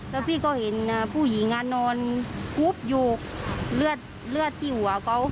แล้วพี่ก็เห็นผู้หญิงนอนปุ๊บอยู่เลือดที่หัวเขา